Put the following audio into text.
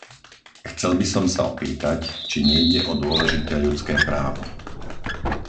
Chcel by som sa opýtať, či nejde o dôležité ľudské právo?